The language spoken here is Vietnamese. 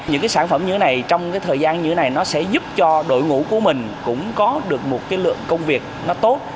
những cái sản phẩm như thế này trong cái thời gian như thế này nó sẽ giúp cho đội ngũ của mình cũng có được một cái lượng công việc nó tốt